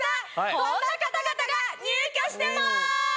こんな方々が入居してます！